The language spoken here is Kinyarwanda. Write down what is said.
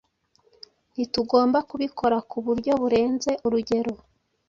ntitugomba kubikora ku buryo burenze urugero